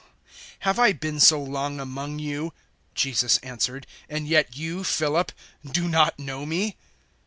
014:009 "Have I been so long among you," Jesus answered, "and yet you, Philip, do not know me?